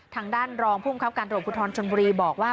ทางด้านรองภูมิครับการตรวจภูทรชนบุรีบอกว่า